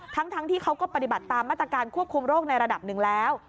ทั้งที่เขาก็ปฏิบัติตามมาตรการควบคุมโรคในระดับหนึ่งแล้ว